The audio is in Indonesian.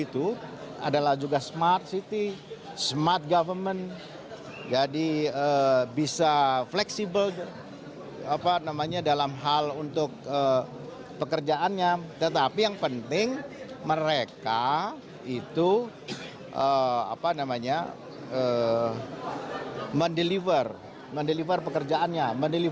tetapi yang penting mereka itu mendeliver pekerjaannya